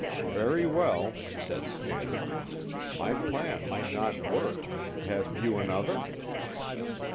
"Very well," said Stannard. "My plan might not work. Have you another?"